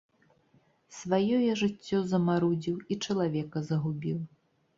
Сваё я жыццё замарудзіў і чалавека загубіў.